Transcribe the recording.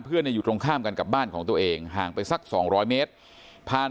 อยู่ตรงข้ามกันกับบ้านของตัวเองห่างไปสัก๒๐๐เมตรผ่าน